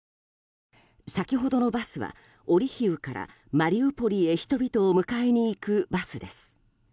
先ほどのバスはオリヒウからマリウポリへ人々を迎えに行くバスです。